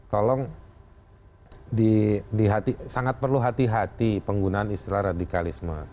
tolong sangat perlu hati hati penggunaan istilah radikalisme